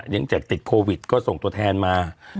หลังจากติดโควิดก็ส่งตัวแทนมา